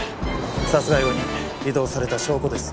殺害後に移動された証拠です。